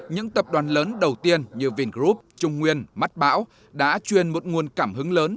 những tập đoàn lớn đầu tiên như vingroup trung nguyên mắt bão đã truyền một nguồn cảm hứng lớn